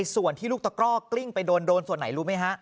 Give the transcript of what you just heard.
ส่วนที่ลูกตะกร่อกลิ้งไปโดนส่วนไหนรู้ไหมฮะ